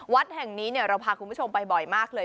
วัดแห่งนี้เราพาคุณผู้ชมไปบ่อยมากเลย